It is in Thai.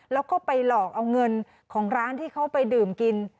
แล้วก็ไปหลอกเอาเงินของร้านที่เขาไปดื่มกิน